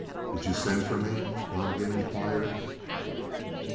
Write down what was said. "Did you send for me?" Donnegan inquired.